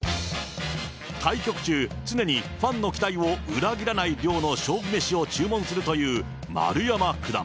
対局中、常にファンの期待を裏切らない量の勝負メシを注文するという丸山九段。